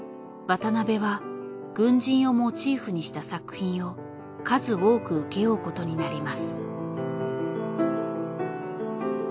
渡辺は軍人をモチーフにした作品を数多く請け負うことになります。